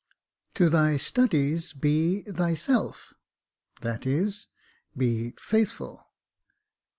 ] To thy studies; be thyself — that is, be Faithful.